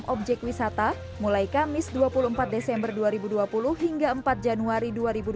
objek wisata mulai kamis dua puluh empat desember dua ribu dua puluh hingga empat januari dua ribu dua puluh